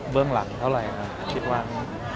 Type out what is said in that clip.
เบื้องหลังเท่าไรครับ